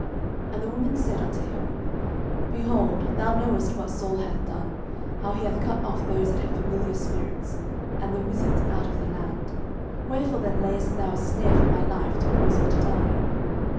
09:028:009 And the woman said unto him, Behold, thou knowest what Saul hath done, how he hath cut off those that have familiar spirits, and the wizards, out of the land: wherefore then layest thou a snare for my life, to cause me to die?